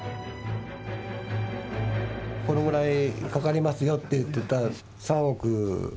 このぐらいかかりますよって言ってた。